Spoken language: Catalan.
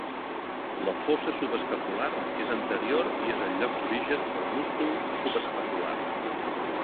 La fossa subescapular és anterior i és el lloc d'origen del múscul subescapular.